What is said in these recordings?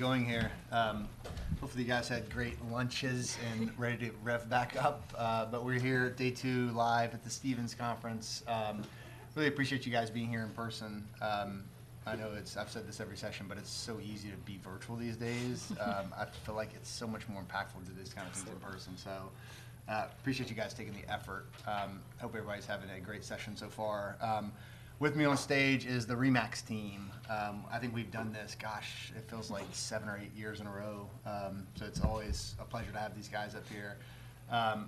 All right, we're gonna go get going here. Hopefully, you guys had great lunches and ready to rev back up. But we're here, day two, live at the Stephens Conference. Really appreciate you guys being here in person. I know it's. I've said this every session, but it's so easy to be virtual these days. I feel like it's so much more impactful to do these kind of things in person. So, appreciate you guys making the effort. Hope everybody's having a great session so far. With me on stage is the RE/MAX team. I think we've done this, gosh, it feels like seven or eight years in a row. So it's always a pleasure to have these guys up here.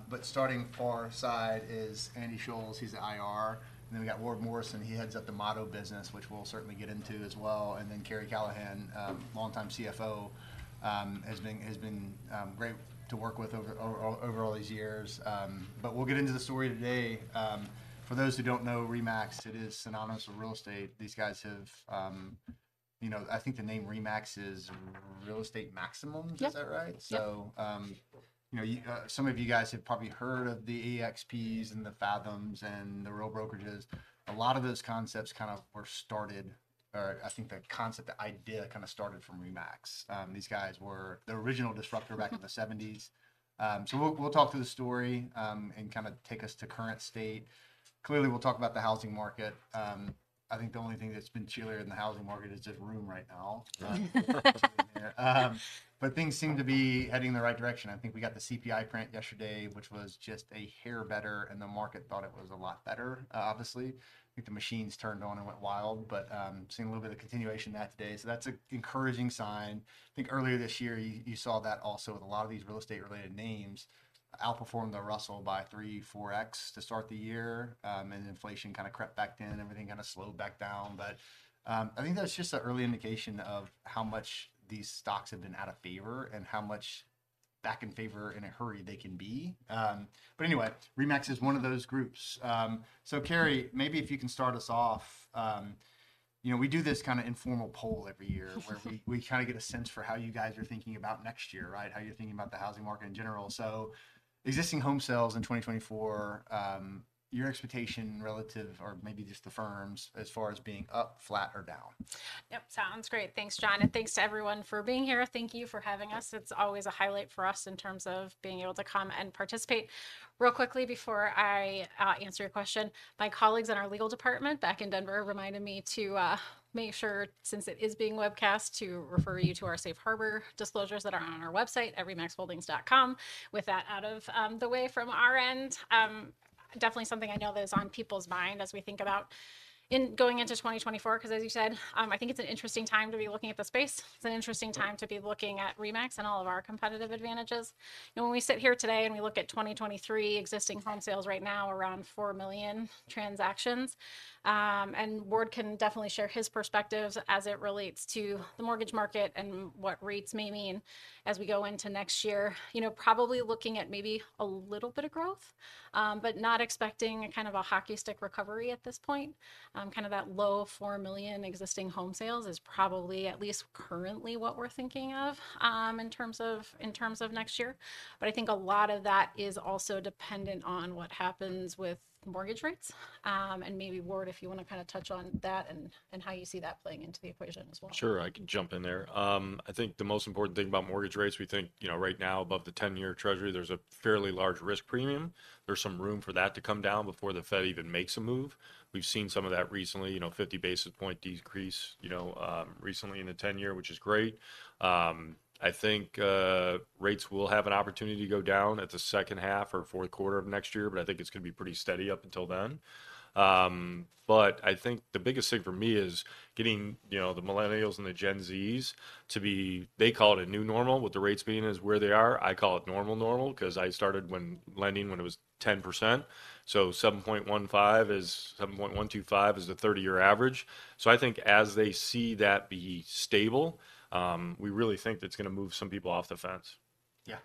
But starting far side is Andy Schulz, he's the IR. And then, we've got Ward Morrison, he heads up the Motto business, which we'll certainly get into as well, and then Karri Callahan, longtime CFO, has been great to work with over all these years. But we'll get into the story today. For those who don't know RE/MAX, it is synonymous with real estate. These guys have... You know, I think the name RE/MAX is Real Estate Maximum? Yep. Is that right? Yep. So, you know, some of you guys have probably heard of the eXPs, and the Fathoms, and the real brokerages. A lot of those concepts kind of were started- or I think the concept, the idea kind of started from RE/MAX. These guys were the original disruptor back in the '70s. So we'll talk through the story, and kind of take us to current state. Clearly, we'll talk about the housing market. I think the only thing that's been chillier than the housing market is just room right now. Yeah, but things seem to be heading in the right direction. I think we got the CPI print yesterday, which was just a hair better, and the market thought it was a lot better, obviously. I think the machines turned on and went wild, but seeing a little bit of continuation of that today. So that's an encouraging sign. I think earlier this year, you, you saw that also with a lot of these real estate-related names, outperformed the Russell by 3-4x to start the year. And then inflation kind of crept back in, everything kind of slowed back down. But I think that's just an early indication of how much these stocks have been out of favor and how much back in favor in a hurry they can be. But anyway, RE/MAX is one of those groups. So Karri, maybe if you can start us off. You know, we do this kind of informal poll every year where we, we kind of get a sense for how you guys are thinking about next year, right? How you're thinking about the housing market in general. So existing home sales in 2024, your expectation relative, or maybe just the firms, as far as being up, flat, or down. Yep, sounds great. Thanks, John, and thanks to everyone for being here. Thank you for having us. It's always a highlight for us in terms of being able to come and participate. Real quickly, before I answer your question, my colleagues in our legal department back in Denver reminded me to make sure, since it is being webcast, to refer you to our safe harbor disclosures that are on our website, at remaxholdings.com. With that out of the way from our end, definitely something I know that is on people's mind as we think about going into 2024. 'Cause as you said, I think it's an interesting time to be looking at the space. It's an interesting time to be looking at RE/MAX and all of our competitive advantages. When we sit here today and we look at 2023 existing home sales right now, around 4 million transactions, and Ward can definitely share his perspectives as it relates to the mortgage market and what rates may mean as we go into next year. You know, probably looking at maybe a little bit of growth, but not expecting a kind of a hockey stick recovery at this point. Kind of that low 4 million existing home sales is probably, at least currently, what we're thinking of, in terms of, in terms of next year. But I think a lot of that is also dependent on what happens with mortgage rates. And maybe, Ward, if you want to kind of touch on that and, and how you see that playing into the equation as well. Sure, I can jump in there. I think the most important thing about mortgage rates, we think, you know, right now, above the 10-year Treasury, there's a fairly large risk premium. There's some room for that to come down before the Fed even makes a move. We've seen some of that recently, you know, 50 basis point decrease, you know, recently in the 10-year, which is great. I think rates will have an opportunity to go down at the second half or fourth quarter of next year, but I think it's gonna be pretty steady up until then. But I think the biggest thing for me is getting, you know, the Millennials and the Gen Zs to be—they call it a new normal, with the rates being as where they are. I call it normal normal, 'cause I started when lending when it was 10%. So 7.15 is- 7.125 is the 30-year average. So I think as they see that be stable, we really think that's gonna move some people off the fence. Yeah.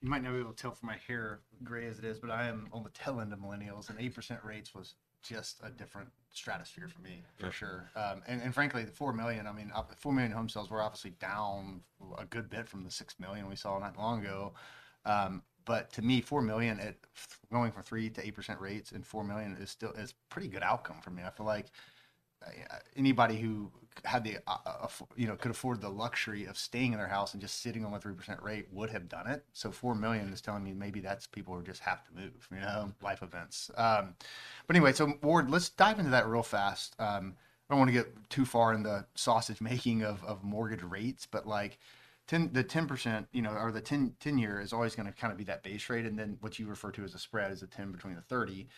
You might not be able to tell from my hair, gray as it is, but I am on the tail end of Millennials, and 8% rates was just a different stratosphere for me- For sure... frankly, the 4 million, I mean, 4 million home sales were obviously down a good bit from the 6 million we saw not long ago. But to me, 4 million going from 3%-8% rates, and 4 million is still a pretty good outcome for me. I feel like anybody who had you know, could afford the luxury of staying in their house and just sitting on a 3% rate would have done it. So 4 million is telling me maybe that's people who just have to move, you know, life events. But anyway, Ward, let's dive into that real fast. I don't want to get too far in the sausage making of mortgage rates, but, like, 10 the 10%, you know, or the ten, 10-year is always gonna kind of be that base rate, and then what you refer to as a spread is a 10 between the 30.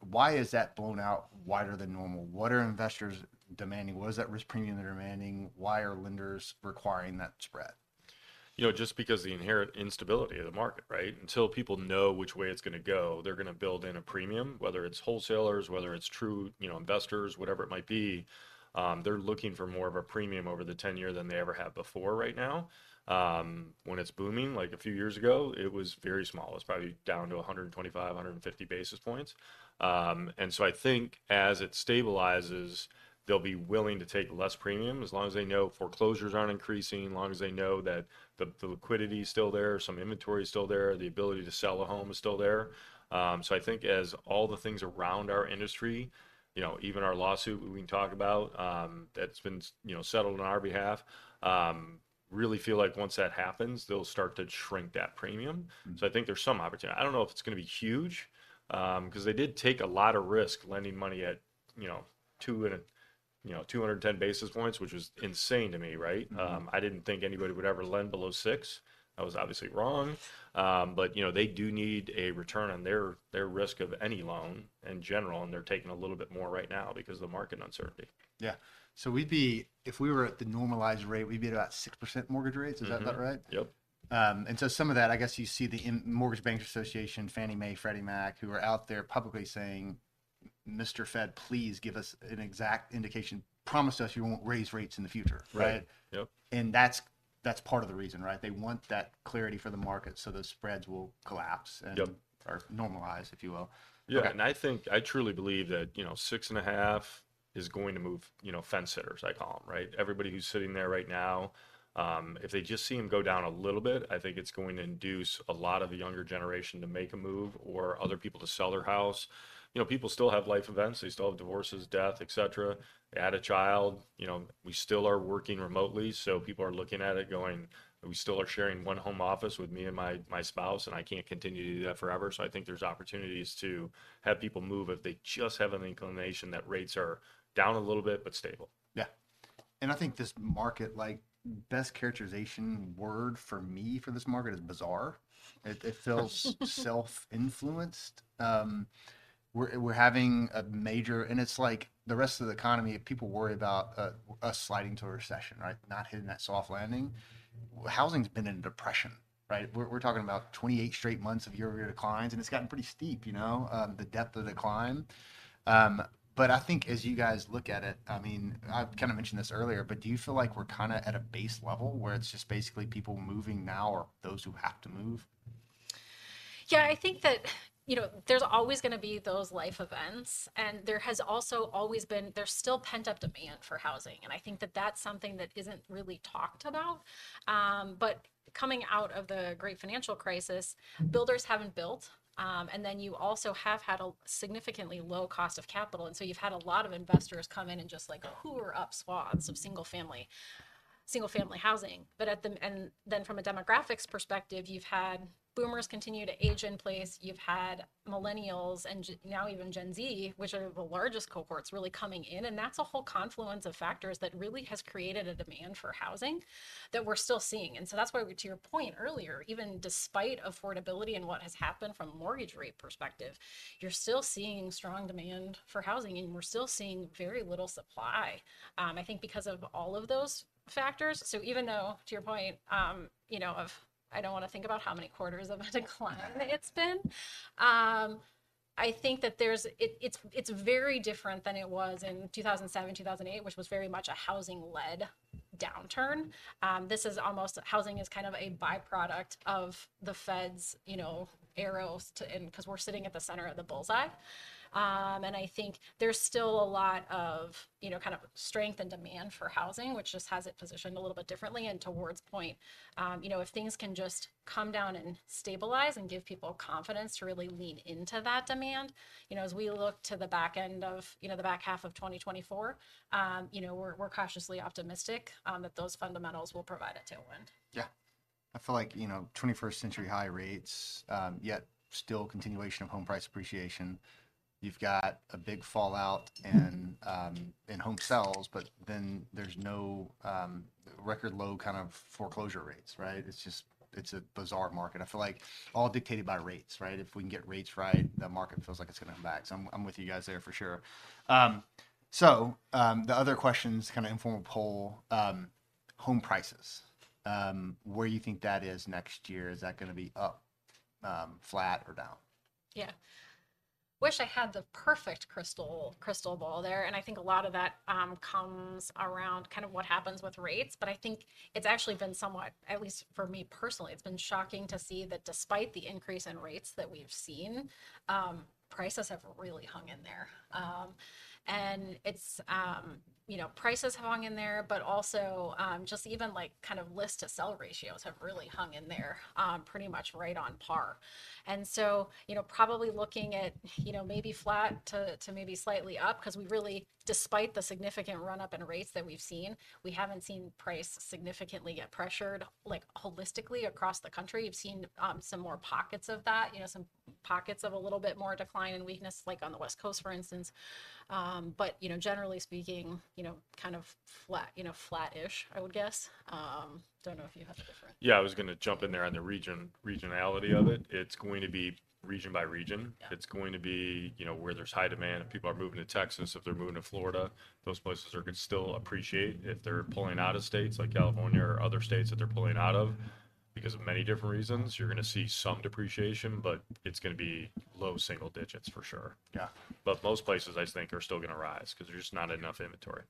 Why is that blown out wider than normal? What are investors demanding? What is that risk premium they're demanding? Why are lenders requiring that spread? You know, just because of the inherent instability of the market, right? Until people know which way it's gonna go, they're gonna build in a premium, whether it's wholesalers, whether it's true, you know, investors, whatever it might be, they're looking for more of a premium over the 10 year than they ever have before right now. When it's booming, like a few years ago, it was very small. It was probably down to 125, 150 basis points. And so I think as it stabilizes, they'll be willing to take less premium, as long as they know foreclosures aren't increasing, as long as they know that the liquidity is still there, some inventory is still there, the ability to sell a home is still there. So, I think as all the things around our industry, you know, even our lawsuit, we can talk about, that's been, you know, settled on our behalf, really feel like once that happens, they'll start to shrink that premium. Mm. So I think there's some opportunity. I don't know if it's gonna be huge, 'cause they did take a lot of risk lending money at, you know, two and, you know, 210 basis points, which was insane to me, right? Mm-hmm. I didn't think anybody would ever lend below six. I was obviously wrong. But you know, they do need a return on their, their risk of any loan in general, and they're taking a little bit more right now because of the market uncertainty. Yeah. So if we were at the normalized rate, we'd be at about 6% mortgage rates. Mm-hmm. Is that about right? Yep. And so some of that, I guess you see the Mortgage Bankers Association, Fannie Mae, Freddie Mac, who are out there publicly saying, "Mr. Fed, please give us an exact indication. Promise us you won't raise rates in the future," right? Yep. Yep. That's, that's part of the reason, right? They want that clarity for the market so the spreads will collapse- Yep... or normalize, if you will. Yeah. Okay. I think, I truly believe that, you know, 6.5 is going to move, you know, fence sitters, I call them, right? Everybody who's sitting there right now, if they just see them go down a little bit, I think it's going to induce a lot of the younger generation to make a move or other people to sell their house. You know, people still have life events. They still have divorces, death, etcetera, add a child. You know, we still are working remotely, so people are looking at it going, "We still are sharing one home office with me and my spouse, and I can't continue to do that forever." I think there's opportunities to have people move if they just have an inclination that rates are down a little bit, but stable. Yeah. I think this market, like, best characterization word for me for this market is bizarre. It feels self-influenced. We're having a major... It's like the rest of the economy, if people worry about a sliding to a recession, right? Not hitting that soft landing. Housing's been in depression, right? We're talking about 28 straight months of year-over-year declines, and it's gotten pretty steep, you know, the depth of decline. But I think as you guys look at it, I mean, I've kind of mentioned this earlier, but do you feel like we're kind of at a base level where it's just basically people moving now or those who have to move? Yeah, I think that, you know, there's always gonna be those life events, and there has also always been... There's still pent-up demand for housing, and I think that that's something that isn't really talked about. But coming out of the great financial crisis, builders haven't built, and then you also have had a significantly low cost of capital, and so you've had a lot of investors come in and just like, hoover up, snapping up some single family, single family housing. But at the... And then from a demographics perspective, you've had Boomers continue to age in place, you've had Millennials and—now even Gen Z, which are the largest cohorts, really coming in, and that's a whole confluence of factors that really has created a demand for housing that we're still seeing. And so that's why, we, to your point earlier, even despite affordability and what has happened from a mortgage rate perspective, you're still seeing strong demand for housing, and we're still seeing very little supply, I think because of all of those factors. So even though, to your point, you know, of I don't want to think about how many quarters of a decline it's been, I think that there's. It's very different than it was in 2007, 2008, which was very much a housing-led downturn. This is almost, housing is kind of a by-product of the Fed's, you know, arrows and 'cause we're sitting at the center of the bullseye. And I think there's still a lot of, you know, kind of strength and demand for housing, which just has it positioned a little bit differently. Toward point, you know, if things can just come down and stabilize and give people confidence to really lean into that demand, you know, as we look to the back end of, you know, the back half of 2024, you know, we're cautiously optimistic that those fundamentals will provide a tailwind. Yeah. I feel like, you know, 21st century high rates, yet still continuation of home price appreciation. You've got a big fallout in, in home sales, but then there's no, record low kind of foreclosure rates, right? It's just, it's a bizarre market. I feel like all dictated by rates, right? If we can get rates right, the market feels like it's gonna come back. So I'm, I'm with you guys there for sure. So, the other questions, kind of informal poll, home prices, where you think that is next year? Is that gonna be up, flat or down? Yeah. Wish I had the perfect crystal, crystal ball there, and I think a lot of that comes around kind of what happens with rates, but I think it's actually been somewhat, at least for me personally, it's been shocking to see that despite the increase in rates that we've seen, prices have really hung in there. And it's, you know, prices have hung in there, but also, just even like kind of List-to-Sell ratios have really hung in there, pretty much right on par. And so, you know, probably looking at, you know, maybe flat to maybe slightly up, 'cause we really, despite the significant run-up in rates that we've seen, we haven't seen price significantly get pressured, like, holistically across the country. We've seen some more pockets of that, you know, some pockets of a little bit more decline in weakness, like on the West Coast, for instance. But, you know, generally speaking, you know, kind of flat, you know, flat-ish, I would guess. Don't know if you have a different- Yeah, I was gonna jump in there on the regionality of it. It's going to be region by region. Yeah. It's going to be, you know, where there's high demand. If people are moving to Texas, if they're moving to Florida, those places are gonna still appreciate. If they're pulling out of states like California or other states that they're pulling out of, because of many different reasons, you're gonna see some depreciation, but it's gonna be low single digits for sure. Yeah. Most places, I think, are still gonna rise 'cause there's just not enough inventory.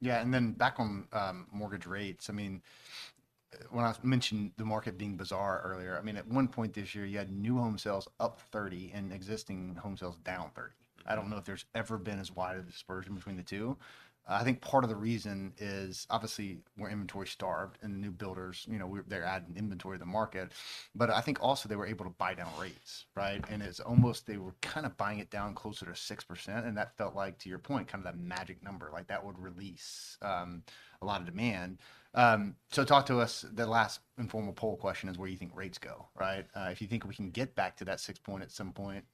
Yeah, and then back on mortgage rates, I mean, when I mentioned the market being bizarre earlier, I mean, at one point this year, you had new home sales up 30, and existing home sales down 30. I don't know if there's ever been as wide a dispersion between the two. I think part of the reason is, obviously, we're inventory-starved, and new builders, you know, they're adding inventory to the market. But I think also they were able to buy down rates, right? And it's almost, they were kind of buying it down closer to 6%, and that felt like, to your point, kind of that magic number, like that would release a lot of demand. So talk to us, the last informal poll question is, where do you think rates go, right? If you think we can get back to that six point at some point,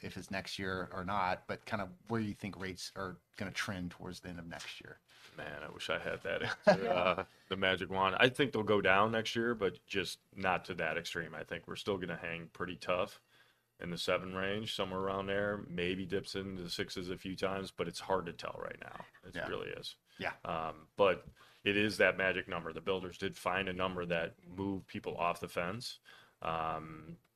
if it's next year or not, but kind of where you think rates are gonna trend towards the end of next year. Man, I wish I had that answer, the magic wand. I think they'll go down next year, but just not to that extreme. I think we're still gonna hang pretty tough in the seven range, somewhere around there, maybe dips into the sixes a few times, but it's hard to tell right now. Yeah. It really is. Yeah. But it is that magic number. The builders did find a number that moved people off the fence.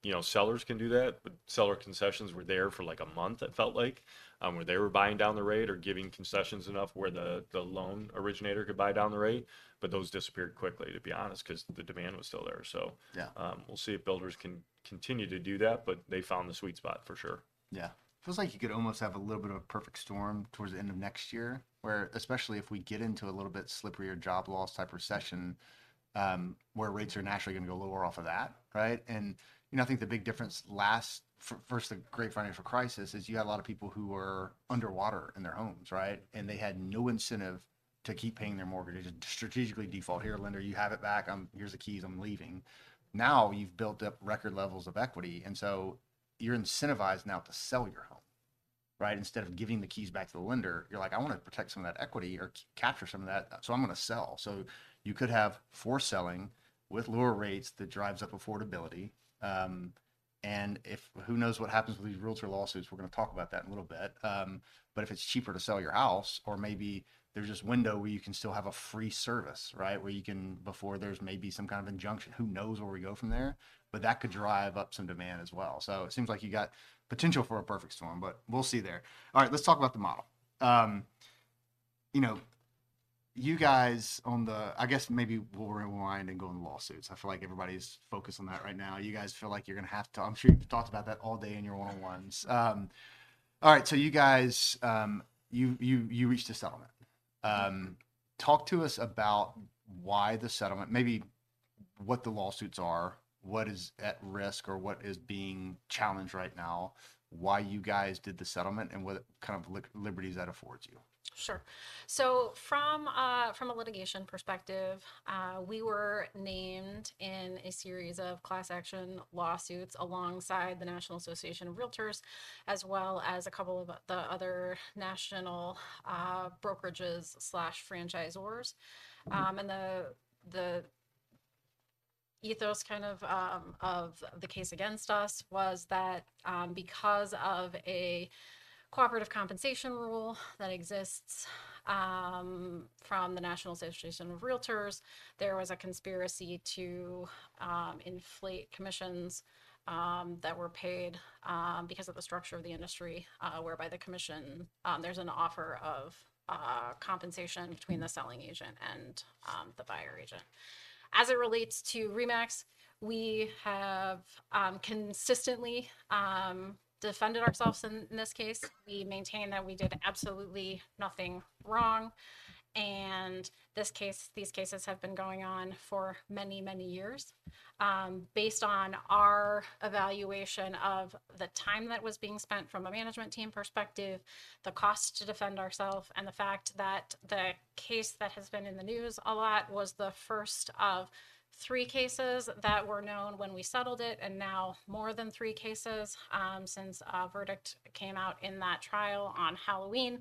You know, sellers can do that, but seller concessions were there for, like, a month, it felt like, where they were buying down the rate or giving concessions enough where the, the loan originator could buy down the rate, but those disappeared quickly, to be honest, 'cause the demand was still there. So- Yeah... we'll see if builders can continue to do that, but they found the sweet spot, for sure. Yeah. Feels like you could almost have a little bit of a perfect storm towards the end of next year, where especially if we get into a little bit slipperier job loss type recession, where rates are naturally going to go lower off of that, right? And, you know, I think the big difference first, the great financial crisis, is you had a lot of people who were underwater in their homes, right? And they had no incentive to keep paying their mortgage, and to strategically default: "Here, lender, you have it back. Here's the keys, I'm leaving." Now, you've built up record levels of equity, and so you're incentivized now to sell your home, right? Instead of giving the keys back to the lender, you're like: "I want to protect some of that equity or capture some of that, so I'm gonna sell." So you could have for selling with lower rates, that drives up affordability, and if... who knows what happens with these Realtor lawsuits? We're going to talk about that in a little bit. But if it's cheaper to sell your house or maybe there's this window where you can still have a free service, right? Where you can-- before there's maybe some kind of injunction, who knows where we go from there, but that could drive up some demand as well. So it seems like you got potential for a perfect storm, but we'll see there. All right, let's talk about the model. You know, you guys on the-- I guess maybe we'll rewind and go into lawsuits. I feel like everybody's focused on that right now. You guys feel like you're going to have to... I'm sure you've talked about that all day in your one-on-ones. All right, so you guys, you reached a settlement. Talk to us about why the settlement, maybe what the lawsuits are, what is at risk or what is being challenged right now, why you guys did the settlement, and what kind of liberties that affords you. Sure. So from a litigation perspective, we were named in a series of class action lawsuits alongside the National Association of Realtors, as well as a couple of the other national brokerages/franchisors. The ethos, kind of, of the case against us was that, because of a cooperative compensation rule that exists from the National Association of Realtors, there was a conspiracy to inflate commissions that were paid because of the structure of the industry, whereby the commission, there's an offer of compensation between the selling agent and the buyer agent. As it relates to RE/MAX, we have consistently defended ourselves in this case. We maintain that we did absolutely nothing wrong, and this case, these cases have been going on for many, many years. Based on our evaluation of the time that was being spent from a management team perspective, the cost to defend ourselves, and the fact that the case that has been in the news a lot was the first of three cases that were known when we settled it, and now more than three cases, since a verdict came out in that trial on Halloween,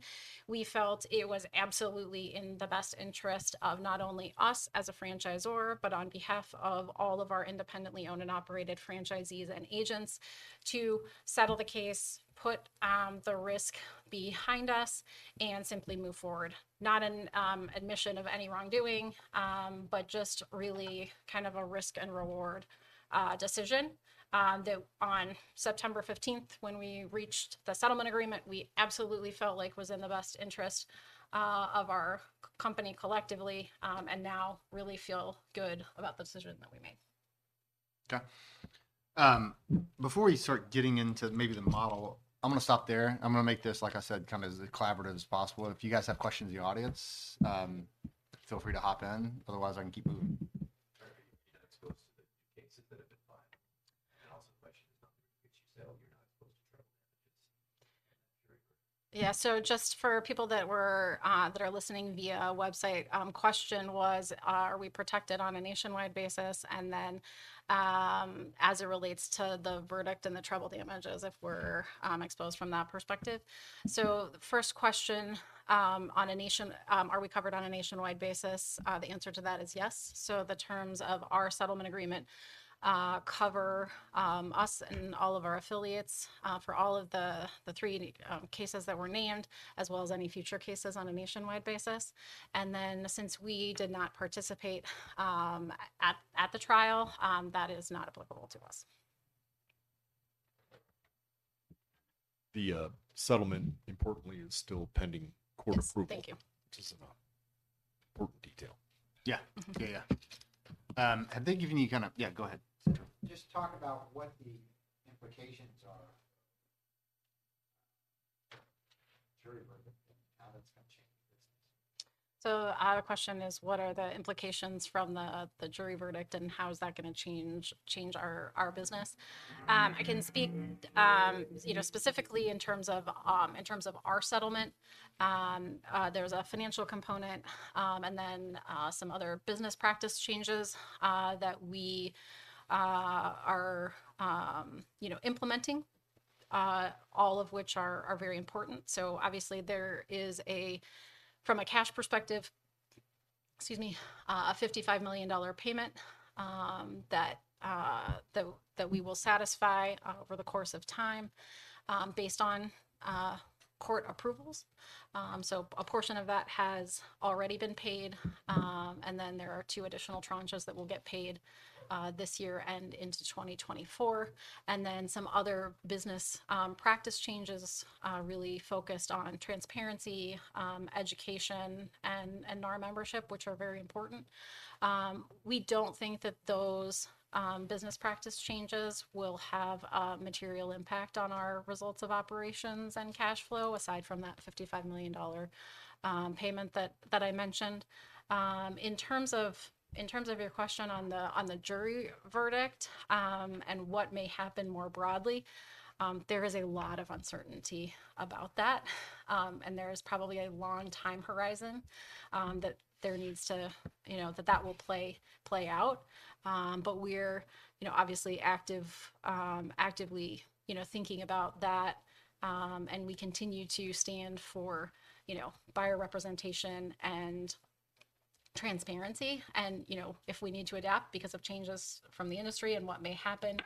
we felt it was absolutely in the best interest of not only us as a franchisor, but on behalf of all of our independently owned and operated franchisees and agents, to settle the case, put the risk behind us, and simply move forward. Not an admission of any wrongdoing, but just really kind of a risk-and-reward decision that on September 15th, when we reached the settlement agreement, we absolutely felt like was in the best interest of our company collectively, and now really feel good about the decision that we made. Okay. Before we start getting into maybe the model, I'm gonna stop there. I'm gonna make this, like I said, kind of as collaborative as possible. If you guys have questions in the audience, feel free to hop in. Otherwise, I can keep moving. You know, exposed to the cases that have been filed. Also the question is not, which you said you're not supposed to treble damages. Yeah. So just for people that were, that are listening via website, question was: Are we protected on a nationwide basis? And then, as it relates to the verdict and the treble damages, if we're exposed from that perspective. So the first question, are we covered on a nationwide basis? The answer to that is yes. So the terms of our settlement agreement cover us and all of our affiliates for all of the three cases that were named, as well as any future cases on a nationwide basis. And then, since we did not participate at the trial, that is not applicable to us.... the settlement, importantly, is still pending court approval. Yes, thank you. Which is an important detail. Yeah. Yeah, yeah. I think you can kind of- Yeah, go ahead. Just talk about what the implications are, jury verdict, and how that's gonna change the business. So, the question is, what are the implications from the jury verdict, and how is that gonna change our business? I can speak- Mm... you know, specifically in terms of, in terms of our settlement. There's a financial component, and then, some other business practice changes, that we, are, you know, implementing, all of which are very important. So obviously, there is a, from a cash perspective, excuse me, a $55 million payment, that we will satisfy, over the course of time, based on, court approvals. So a portion of that has already been paid, and then there are two additional tranches that will get paid, this year and into 2024. And then some other business, practice changes, really focused on transparency, education, and NAR membership, which are very important. We don't think that those business practice changes will have a material impact on our results of operations and cash flow, aside from that $55 million payment that I mentioned. In terms of your question on the jury verdict and what may happen more broadly, there is a lot of uncertainty about that. And there is probably a long time horizon that there needs to... You know, that that will play out. But we're, you know, obviously active, actively, you know, thinking about that, and we continue to stand for, you know, buyer representation and transparency. You know, if we need to adapt because of changes from the industry and what may happen,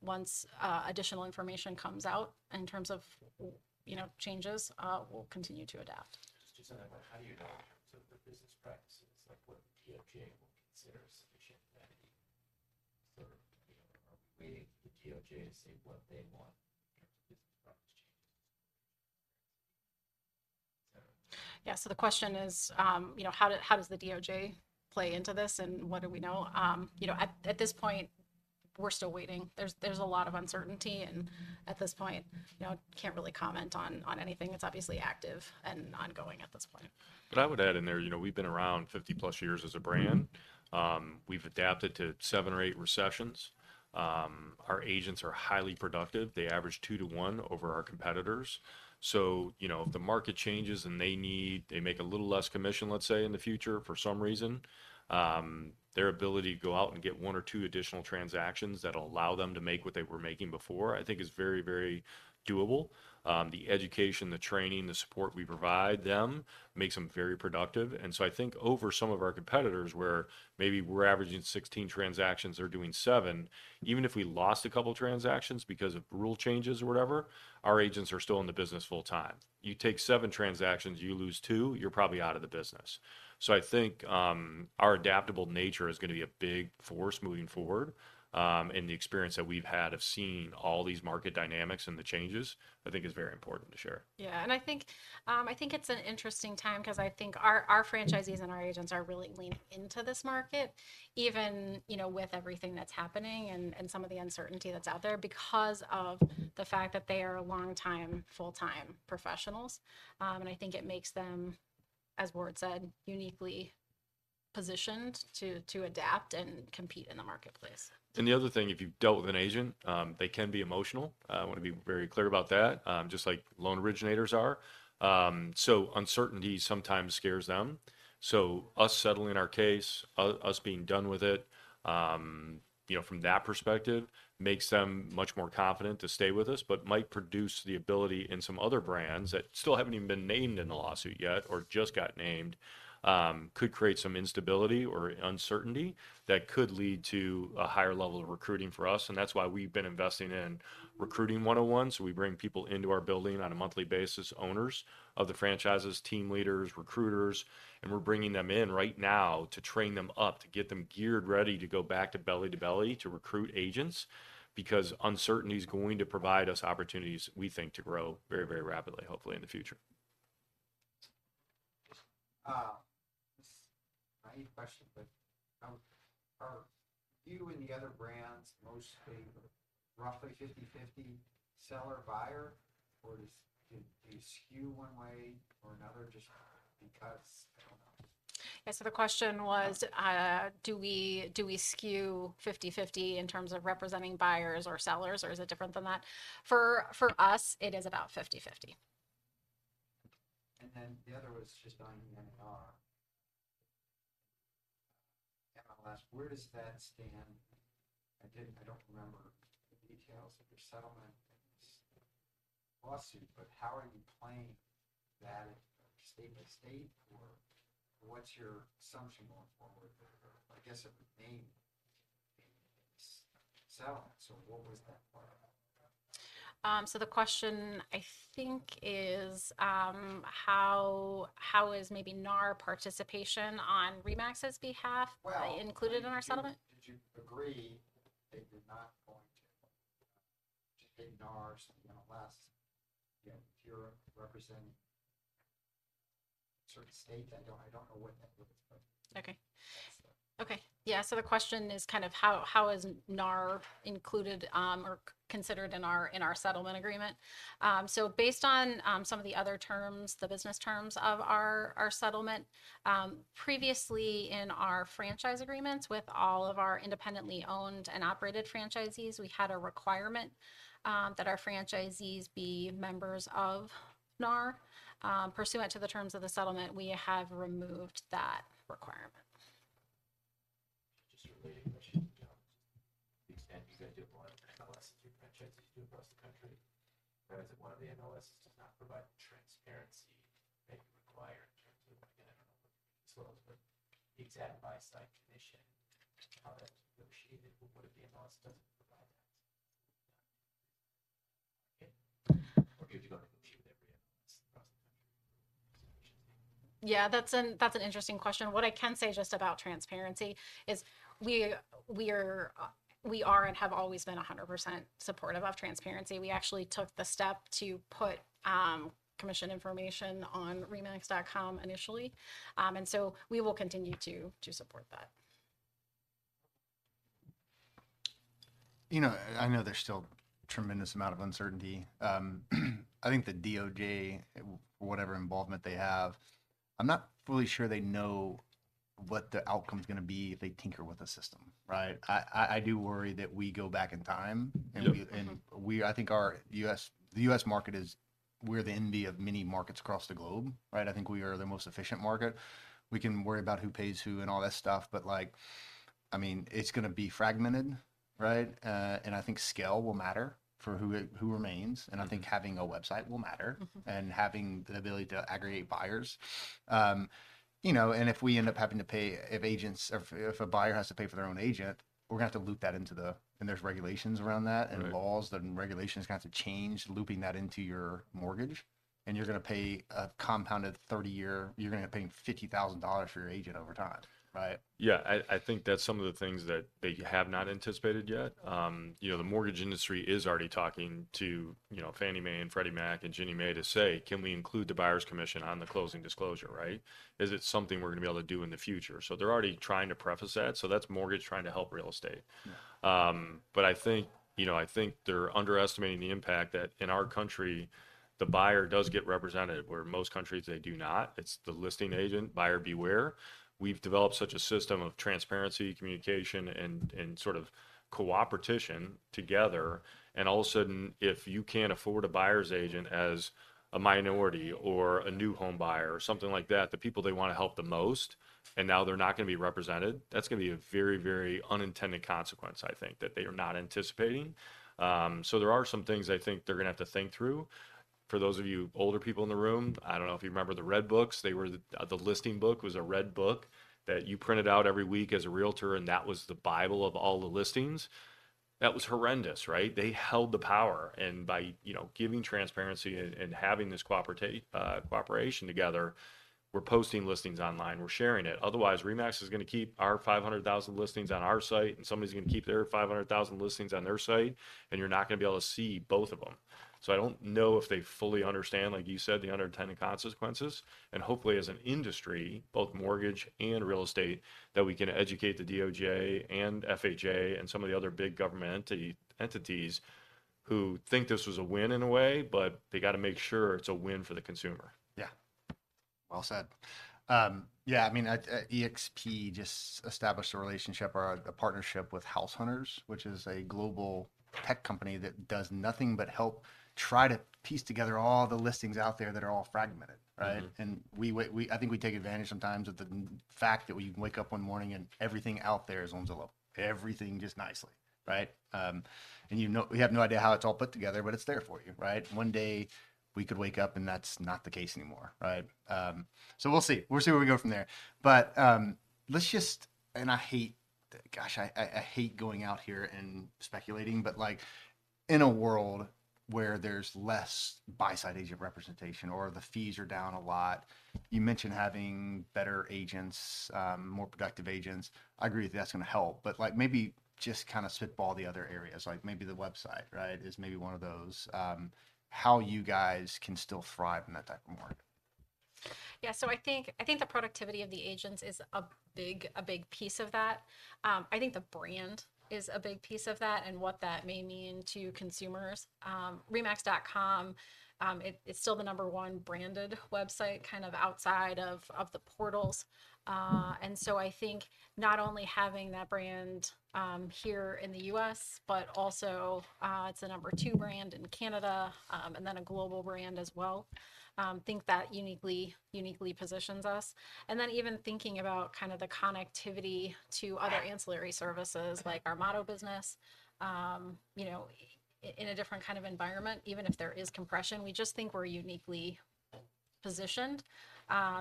once additional information comes out in terms of, you know, changes, we'll continue to adapt. Just something. How do you know sort of the business practices, like what DOJ will consider sufficient, that sort of, you know, are we, the DOJ, say what they want in terms of business practice changes? Yeah, so the question is, you know, how does the DOJ play into this, and what do we know? You know, at this point, we're still waiting. There's a lot of uncertainty, and at this point, you know, can't really comment on anything. It's obviously active and ongoing at this point. But I would add in there, you know, we've been around 50+ years as a brand. Mm-hmm. We've adapted to seven or eight recessions. Our agents are highly productive. They average two-to-one over our competitors. So, you know, if the market changes and they make a little less commission, let's say, in the future, for some reason, their ability to go out and get one or two additional transactions that'll allow them to make what they were making before, I think is very, very doable. The education, the training, the support we provide them makes them very productive. And so I think over some of our competitors, where maybe we're averaging 16 transactions, they're doing seven, even if we lost a couple transactions because of rule changes or whatever, our agents are still in the business full time. You take seven transactions, you lose two, you're probably out of the business. So I think, our adaptable nature is gonna be a big force moving forward, and the experience that we've had of seeing all these market dynamics and the changes, I think is very important to share. Yeah, and I think it's an interesting time 'cause I think our franchisees and our agents are really leaning into this market, even, you know, with everything that's happening and some of the uncertainty that's out there, because of the fact that they are long-time, full-time professionals. I think it makes them, as Ward said, uniquely positioned to adapt and compete in the marketplace. The other thing, if you've dealt with an agent, they can be emotional. I wanna be very clear about that, just like loan originators are. So uncertainty sometimes scares them. So us settling our case, us being done with it, you know, from that perspective, makes them much more confident to stay with us, but might produce the ability in some other brands that still haven't even been named in the lawsuit yet or just got named, could create some instability or uncertainty that could lead to a higher level of recruiting for us, and that's why we've been investing in recruiting 101. So we bring people into our building on a monthly basis, owners of the franchises, team leaders, recruiters, and we're bringing them in right now to train them up, to get them geared ready to go back to belly-to-belly to recruit agents, because uncertainty is going to provide us opportunities, we think, to grow very, very rapidly, hopefully, in the future. Just my only question, but, are you and the other brands mostly roughly 50/50 seller/buyer, or does... Do you skew one way or another just because? I don't know. Yeah, so the question was, do we skew 50/50 in terms of representing buyers or sellers, or is it different than that? For us, it is about 50/50. And then the other was just on the NAR, MLS. Where does that stand? I don't remember the details of your settlement and lawsuit, but how are you playing that state by state, or what's your assumption going forward? I guess it would be settlement. So what was that part about? So the question, I think, is, how is maybe NAR participation on RE/MAX's behalf- Well- included in our settlement? Did you agree they were not going to hit NAR's, you know, unless, you know, if you're representing a certain state? I don't know what that would look like. Okay. So. Okay. Yeah, so the question is kind of how is NAR included or considered in our settlement agreement? So based on some of the other terms, the business terms of our settlement, previously in our franchise agreements with all of our independently owned and operated franchisees, we had a requirement that our franchisees be members of NAR. Pursuant to the terms of the settlement, we have removed that requirement. Just a related question, you know, the extent you guys do it more on MLS as your franchises do across the country, whereas if one of the MLSs does not provide the transparency they require in terms of, again, I don't know, the details, but the exam by side commission, how that's negotiated, what if the MLS doesn't provide that? Yeah. Okay. Or if you're going to compete with every MLS across the country. Yeah, that's an interesting question. What I can say just about transparency is we are and have always been 100% supportive of transparency. We actually took the step to put commission information on remax.com initially. And so we will continue to support that. You know, I know there's still a tremendous amount of uncertainty. I think the DOJ, whatever involvement they have, I'm not fully sure they know what the outcome's gonna be if they tinker with the system, right? I do worry that we go back in time- Yeah.... and we, I think our U.S., the U.S. market is, we're the envy of many markets across the globe, right? I think we are the most efficient market. We can worry about who pays who and all that stuff, but, like, I mean, it's gonna be fragmented, right? And I think scale will matter for who remains. Mm. I think having a website will matter. Mm-hmm. Having the ability to aggregate buyers. You know, and if we end up having to pay, if agents or if a buyer has to pay for their own agent, we're gonna have to loop that into the... And there's regulations around that. Right... and laws and regulations are gonna have to change, looping that into your mortgage, and you're gonna pay a compounded 30-year- you're gonna end up paying $50,000 for your agent over time, right? Yeah. I think that's some of the things that they have not anticipated yet. You know, the mortgage industry is already talking to, you know, Fannie Mae and Freddie Mac and Ginnie Mae to say, "Can we include the buyer's commission on the closing disclosure," right? Is it something we're gonna be able to do in the future? So they're already trying to preface that, so that's mortgage trying to help real estate. Yeah. But I think, you know, I think they're underestimating the impact that in our country, the buyer does get represented, where most countries, they do not. It's the listing agent, buyer beware. We've developed such a system of transparency, communication, and, and sort of coopetition together, and all of a sudden, if you can't afford a buyer's agent as a minority or a new home buyer or something like that, the people they want to help the most, and now they're not gonna be represented, that's gonna be a very, very unintended consequence, I think, that they are not anticipating. So there are some things I think they're gonna have to think through. For those of you older people in the room, I don't know if you remember the Red Books. They were the, the listing book was a Red Book that you printed out every week as a realtor, and that was the bible of all the listings. That was horrendous, right? They held the power, and by, you know, giving transparency and, and having this cooperation together, we're posting listings online, we're sharing it. Otherwise, RE/MAX is gonna keep our 500,000 listings on our site, and somebody's gonna keep their 500,000 listings on their site, and you're not gonna be able to see both of them. So I don't know if they fully understand, like you said, the unintended consequences, and hopefully, as an industry, both mortgage and real estate, that we can educate the DOJ and FHA and some of the other big government entities who think this was a win in a way, but they gotta make sure it's a win for the consumer. Yeah. Well said. Yeah, I mean, EXP just established a relationship or a partnership with House Hunters, which is a global tech company that does nothing but help try to piece together all the listings out there that are all fragmented, right? Mm-hmm. I think we take advantage sometimes of the fact that we can wake up one morning and everything out there is on Zillow. Everything just nicely, right? And you know, we have no idea how it's all put together, but it's there for you, right? One day, we could wake up, and that's not the case anymore, right? So we'll see. We'll see where we go from there. But, let's just... And I hate, gosh, I hate going out here and speculating, but, like, in a world where there's less buy-side agent representation or the fees are down a lot, you mention having better agents, more productive agents. I agree that's gonna help, but, like, maybe just kind of spitball the other areas, like maybe the website, right, is maybe one of those, how you guys can still thrive in that type of market. Yeah, so I think, I think the productivity of the agents is a big, a big piece of that. I think the brand is a big piece of that and what that may mean to consumers. remax.com, it, it's still the number one branded website, kind of outside of the portals. And so I think not only having that brand here in the U.S., but also, it's the number two brand in Canada, and then a global brand as well, think that uniquely, uniquely positions us. And then even thinking about kind of the connectivity to other ancillary services- Okay... like our Motto business, you know, in a different kind of environment, even if there is compression, we just think we're uniquely positioned,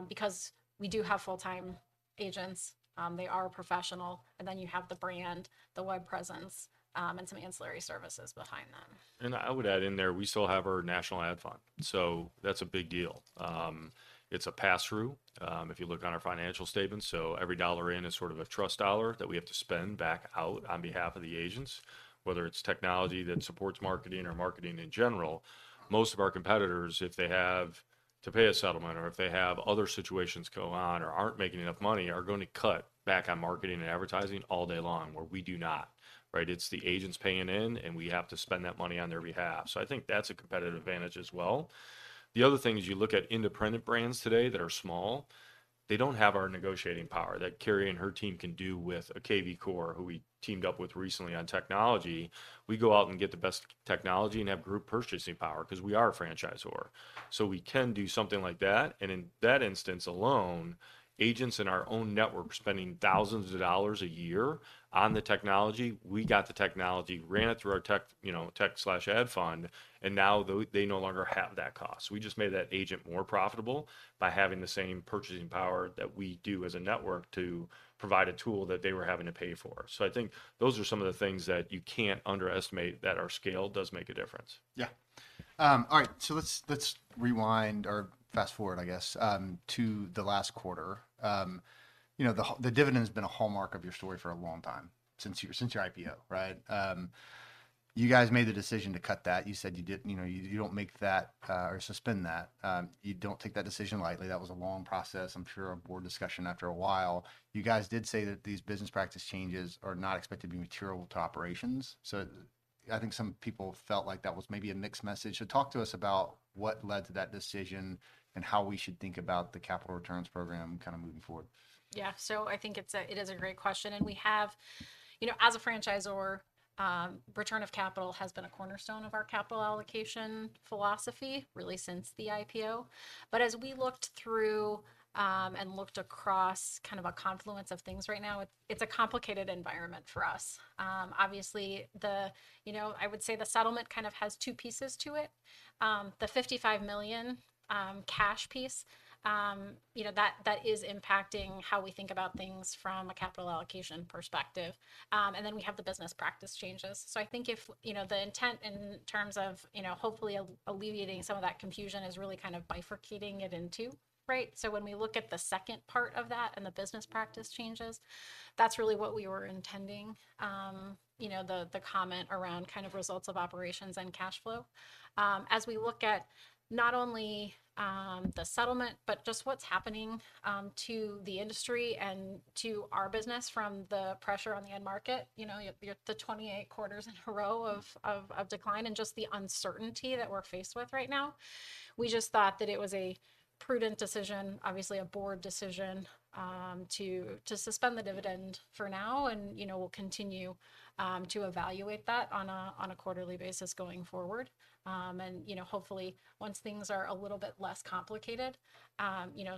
because we do have full-time agents, they are professional, and then you have the brand, the web presence, and some ancillary services behind them.... I would add in there, we still have our national ad fund, so that's a big deal. It's a pass-through, if you look on our financial statements, so every dollar in is sort of a trust dollar that we have to spend back out on behalf of the agents, whether it's technology that supports marketing or marketing in general. Most of our competitors, if they have to pay a settlement or if they have other situations go on or aren't making enough money, are going to cut back on marketing and advertising all day long, where we do not, right? It's the agents paying in, and we have to spend that money on their behalf. So I think that's a competitive advantage as well. The other thing is, you look at independent brands today that are small. They don't have our negotiating power that Karri and her team can do with a kvCORE, who we teamed up with recently on technology. We go out and get the best technology and have group purchasing power 'cause we are a franchisor. So we can do something like that, and in that instance alone, agents in our own network were spending thousands of dollars a year on the technology. We got the technology, ran it through our tech, you know, tech/ad fund, and now they, they no longer have that cost. We just made that agent more profitable by having the same purchasing power that we do as a network to provide a tool that they were having to pay for. I think those are some of the things that you can't underestimate, that our scale does make a difference. Yeah. All right, so let's, let's rewind or fast-forward, I guess, to the last quarter. You know, the dividend's been a hallmark of your story for a long time, since your, since your IPO, right? You guys made the decision to cut that. You said you didn't, you know, you, you don't make that, or suspend that, you don't take that decision lightly. That was a long process, I'm sure, a board discussion after a while. You guys did say that these business practice changes are not expected to be material to operations. So I think some people felt like that was maybe a mixed message. So talk to us about what led to that decision and how we should think about the capital returns program kind of moving forward. Yeah. So I think it's a, it is a great question, and we have. You know, as a franchisor, return of capital has been a cornerstone of our capital allocation philosophy, really since the IPO. But as we looked through, and looked across kind of a confluence of things right now, it's a complicated environment for us. Obviously, the, you know, I would say the settlement kind of has two pieces to it. The $55 million cash piece, you know, that, that is impacting how we think about things from a capital allocation perspective. And then we have the business practice changes. So I think if, you know, the intent in terms of, you know, hopefully alleviating some of that confusion is really kind of bifurcating it in two, right? So when we look at the second part of that and the business practice changes, that's really what we were intending, you know, the comment around kind of results of operations and cash flow. As we look at not only the settlement, but just what's happening to the industry and to our business from the pressure on the end market, you know, the 28 quarters in a row of decline and just the uncertainty that we're faced with right now, we just thought that it was a prudent decision, obviously a board decision, to suspend the dividend for now, and, you know, we'll continue to evaluate that on a quarterly basis going forward. You know, hopefully, once things are a little bit less complicated, you know,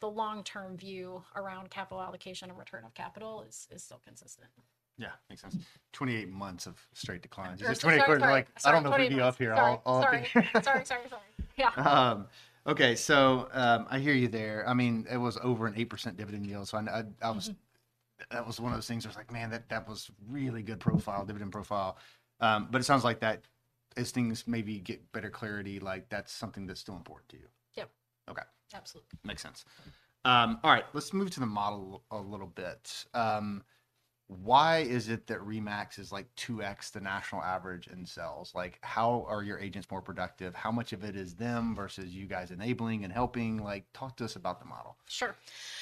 the long-term view around capital allocation and return of capital is still consistent. Yeah, makes sense. 28 months of straight declines. Yeah, sorry, sorry. 'Cause 28 quarters, like- Sorry, twenty-... I don't wanna lead you up here. Sorry. I'll, I'll - Sorry. Sorry, sorry, sorry. Yeah. Okay, so, I hear you there. I mean, it was over an 8% dividend yield, so I was- Mm-hmm... that was one of those things where I was like, "Man, that, that was really good profile, dividend profile." But it sounds like that as things maybe get better clarity, like, that's something that's still important to you. Yep. Okay. Absolutely. Makes sense. All right, let's move to the model a little bit. Why is it that RE/MAX is, like, 2x the national average in sales? Like, how are your agents more productive? How much of it is them versus you guys enabling and helping? Like, talk to us about the model. Sure.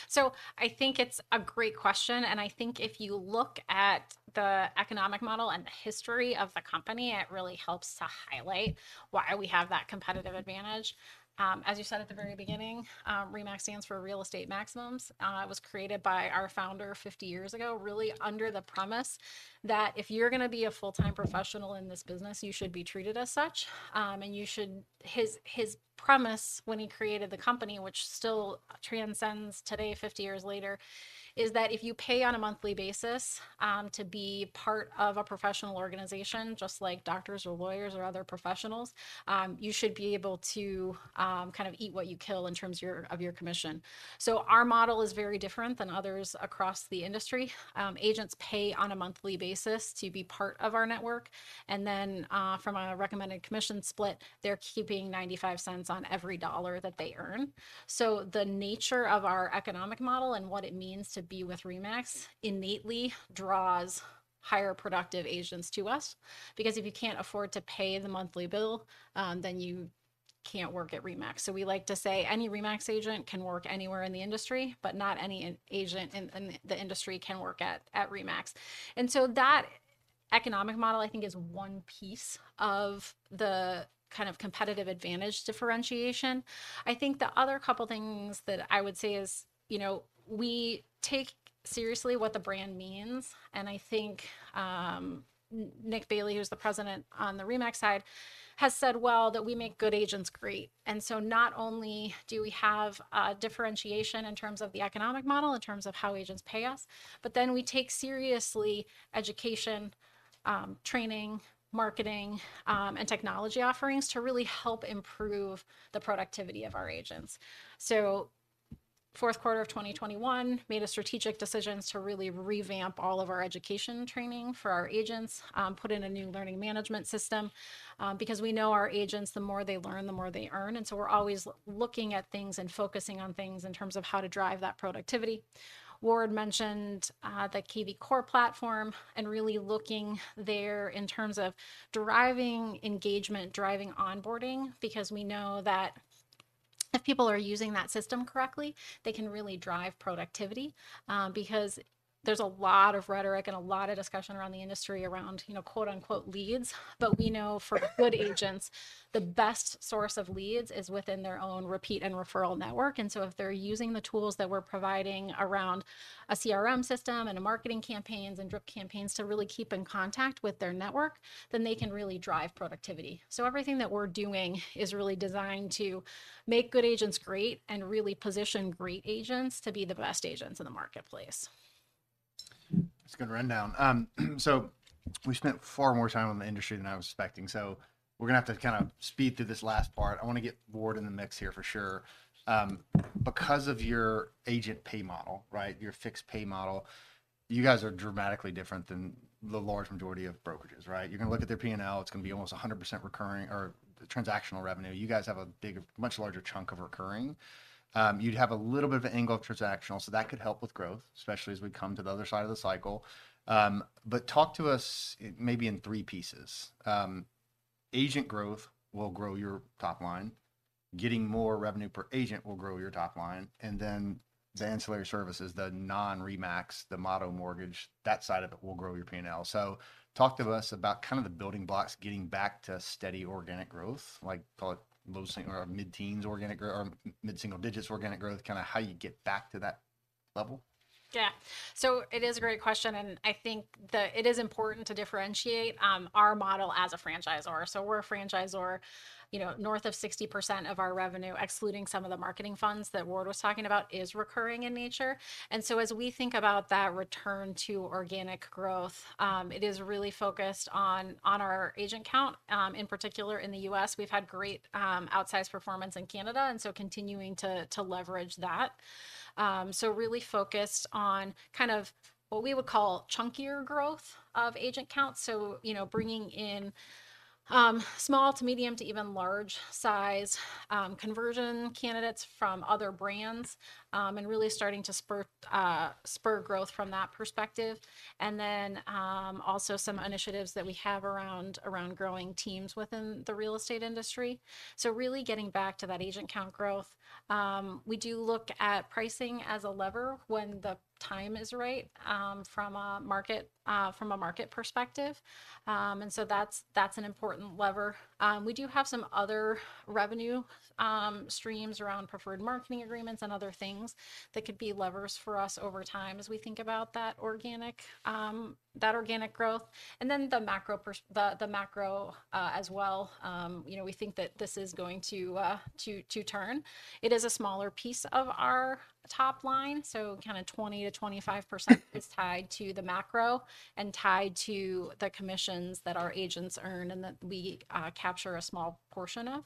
So I think it's a great question, and I think if you look at the economic model and the history of the company, it really helps to highlight why we have that competitive advantage. As you said at the very beginning, RE/MAX stands for Real Estate Maximums. It was created by our founder 50 years ago, really under the promise that if you're gonna be a full-time professional in this business, you should be treated as such. And his promise when he created the company, which still transcends today, 50 years later, is that if you pay on a monthly basis, to be part of a professional organization, just like doctors or lawyers or other professionals, you should be able to, kind of eat what you kill in terms of your, of your commission. So our model is very different than others across the industry. Agents pay on a monthly basis to be part of our network, and then, from a recommended commission split, they're keeping $0.95 on every dollar that they earn. So the nature of our economic model and what it means to be with RE/MAX innately draws higher productive agents to us, because if you can't afford to pay the monthly bill, then you can't work at RE/MAX. So we like to say, any RE/MAX agent can work anywhere in the industry, but not any agent in the industry can work at RE/MAX. And so that economic model, I think, is one piece of the kind of competitive advantage differentiation. I think the other couple things that I would say is, you know, we take seriously what the brand means, and I think, Nick Bailey, who's the president on the RE/MAX side, has said, well, that we make good agents great. And so not only do we have a differentiation in terms of the economic model, in terms of how agents pay us, but then we take seriously education, training, marketing, and technology offerings to really help improve the productivity of our agents. Fourth quarter of 2021, made a strategic decision to really revamp all of our education training for our agents, put in a new learning management system, because we know our agents, the more they learn, the more they earn. And so we're always looking at things and focusing on things in terms of how to drive that productivity. Ward mentioned the kvCORE platform, and really looking there in terms of deriving engagement, driving onboarding, because we know that if people are using that system correctly, they can really drive productivity. Because there's a lot of rhetoric and a lot of discussion around the industry around, you know, quote, unquote, "leads," but we know for good agents, the best source of leads is within their own repeat and referral network. And so if they're using the tools that we're providing around a CRM system, and a marketing campaigns, and drip campaigns to really keep in contact with their network, then they can really drive productivity. So everything that we're doing is really designed to make good agents great, and really position great agents to be the best agents in the marketplace. That's a good rundown. So we spent far more time on the industry than I was expecting, so we're gonna have to kind of speed through this last part. I wanna get Ward in the mix here for sure. Because of your agent pay model, right, your fixed pay model, you guys are dramatically different than the large majority of brokerages, right? You're gonna look at their P&L, it's gonna be almost 100% recurring or transactional revenue. You guys have a big, much larger chunk of recurring. You'd have a little bit of an angle of transactional, so that could help with growth, especially as we come to the other side of the cycle. But talk to us, maybe in three pieces. Agent growth will grow your top line, getting more revenue per agent will grow your top line, and then the ancillary services, the non-RE/MAX, the Motto Mortgage, that side of it will grow your P&L. So talk to us about kind of the building blocks, getting back to steady organic growth, like, call it low single- or mid-teens organic growth or mid-single digits organic growth, kind of how you get back to that level. Yeah. So it is a great question, and I think the... It is important to differentiate, our model as a franchisor. So we're a franchisor. You know, north of 60% of our revenue, excluding some of the marketing funds that Ward was talking about, is recurring in nature. And so as we think about that return to organic growth, it is really focused on, on our agent count, in particular in the U.S. We've had great, outsized performance in Canada, and so continuing to, to leverage that. So really focused on kind of what we would call chunkier growth of agent count. So, you know, bringing in, small to medium to even large-size, conversion candidates from other brands, and really starting to spur growth from that perspective, and then, also some initiatives that we have around growing teams within the real estate industry. So really getting back to that agent count growth. We do look at pricing as a lever when the time is right, from a market perspective. And so that's an important lever. We do have some other revenue streams around preferred marketing agreements and other things that could be levers for us over time as we think about that organic growth. And then the macro, as well, you know, we think that this is going to to turn. It is a smaller piece of our top line, so kind of 20%-25% is tied to the macro, and tied to the commissions that our agents earn, and that we capture a small portion of.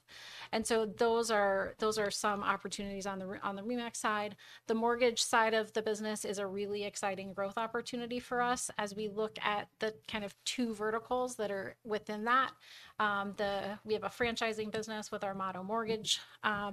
And so those are, those are some opportunities on the RE/MAX side. The mortgage side of the business is a really exciting growth opportunity for us as we look at the kind of two verticals that are within that. We have a franchising business with our Motto Mortgage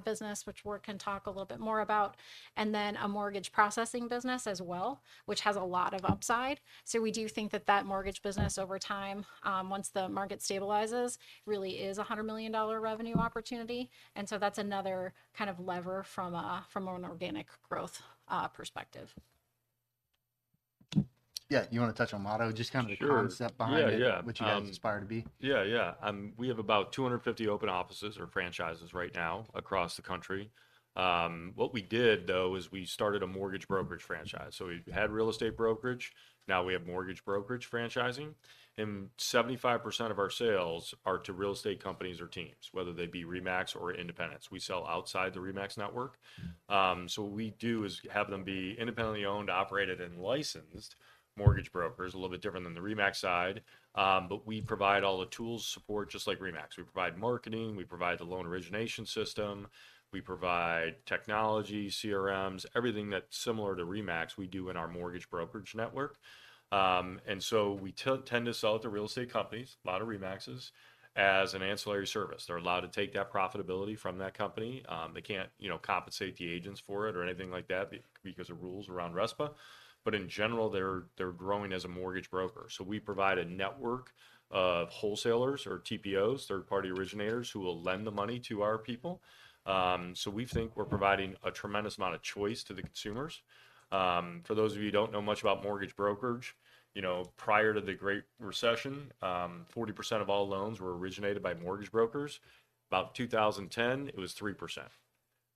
business, which Ward can talk a little bit more about, and then a mortgage processing business as well, which has a lot of upside. So we do think that that Mortgage business, over time, once the market stabilizes, really is a $100 million revenue opportunity, and so that's another kind of lever from a, from an organic growth, perspective. Yeah. You wanna touch on Motto? Sure. Just kind of the concept behind it- Yeah, yeah.... what you guys aspire to be. Yeah, yeah. We have about 250 open offices or franchises right now across the country. What we did, though, is we started a mortgage brokerage franchise. So we had real estate brokerage, now we have mortgage brokerage franchising, and 75% of our sales are to real estate companies or teams, whether they be RE/MAX or independents. We sell outside the RE/MAX network. So what we do is have them be independently owned, operated, and licensed mortgage brokers, a little bit different than the RE/MAX side. But we provide all the tools, support, just like RE/MAX. We provide marketing, we provide the loan origination system, we provide technology, CRMs, everything that's similar to RE/MAX, we do in our mortgage brokerage network. And so we tend to sell to real estate companies, a lot of RE/MAXes, as an ancillary service. They're allowed to take that profitability from that company. They can't, you know, compensate the agents for it or anything like that because of rules around RESPA, but in general, they're growing as a mortgage broker. So we provide a network of wholesalers or TPOs, third-party originators, who will lend the money to our people. So we think we're providing a tremendous amount of choice to the consumers. For those of you who don't know much about mortgage brokerage, you know, prior to the Great Recession, 40% of all loans were originated by mortgage brokers. About 2010, it was 3%.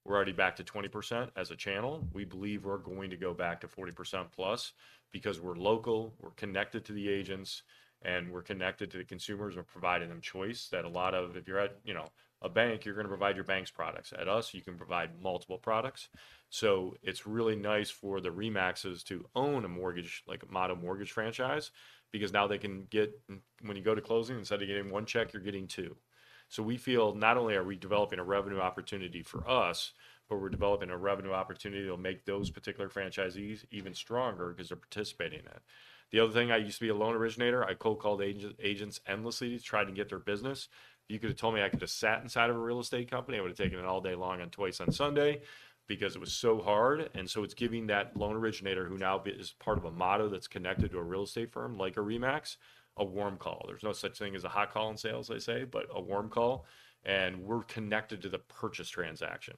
We're already back to 20% as a channel. We believe we're going to go back to 40% plus, because we're local, we're connected to the agents, and we're connected to the consumers and providing them choice that a lot of... If you're at, you know, a bank, you're gonna provide your bank's products. At us, you can provide multiple products. So it's really nice for the RE/MAXes to own a mortgage, like a Motto Mortgage franchise, because now they can get... When you go to closing, instead of getting one check, you're getting two. So we feel not only are we developing a revenue opportunity for us, but we're developing a revenue opportunity that'll make those particular franchisees even stronger because they're participating in it. The other thing, I used to be a loan originator. I cold-called agents endlessly to try to get their business. If you could've told me I could've sat inside of a real estate company, I would've taken it all day long and twice on Sunday, because it was so hard. So it's giving that loan originator, who now is part of a Motto that's connected to a real estate firm, like a RE/MAX, a warm call. There's no such thing as a hot call in sales, they say, but a warm call, and we're connected to the purchase transaction.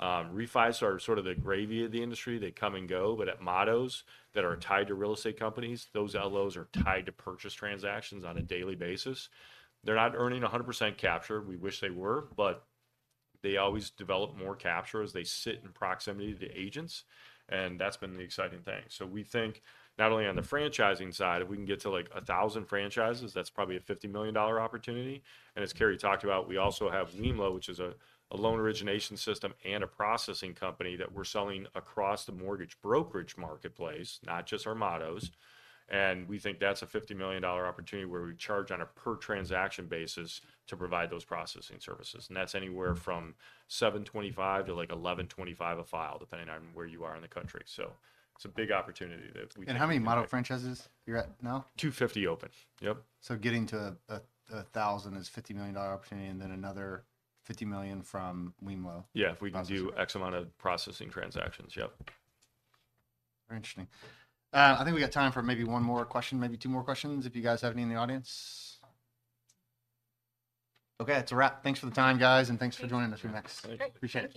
Refis are sort of the gravy of the industry. They come and go, but at Mottos that are tied to real estate companies, those LOs are tied to purchase transactions on a daily basis. They're not earning a 100% capture. We wish they were, but they always develop more capture as they sit in proximity to the agents, and that's been the exciting thing. So we think not only on the franchising side, if we can get to, like, 1,000 franchises, that's probably a $50 million opportunity. And as Karri talked about, we also have wemlo, which is a loan origination system and a processing company that we're selling across the mortgage brokerage marketplace, not just our Mottos. And we think that's a $50 million opportunity, where we charge on a per-transaction basis to provide those processing services, and that's anywhere from $725 to, like, $1,125 a file, depending on where you are in the country. So it's a big opportunity that we- How many Motto franchises you're at now? 250 open. Yep. Getting to 1,000 is a $50 million opportunity, and then another $50 million from wemlo- Yeah- - processed... if we can do X amount of processing transactions. Yep. Very interesting. I think we've got time for maybe one more question, maybe two more questions, if you guys have any in the audience. Okay, it's a wrap. Thanks for the time, guys, and thanks for joining us from RE/MAX. Great. Appreciate it.